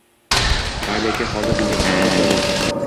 Mayli aka, hozir menga pul zarur